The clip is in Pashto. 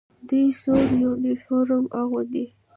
دوی سور یونیفورم اغوندي.